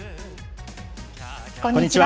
こんにちは。